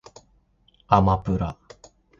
あまぷら